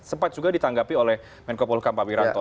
sempat juga ditanggapi oleh menko polkam pak wiranto